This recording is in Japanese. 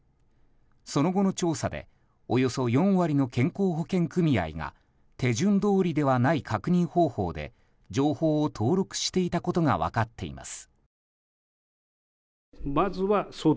その後の調査でおよそ４割の健康保険組合が手順どおりではない確認方法で情報を登録していたことが分かっています。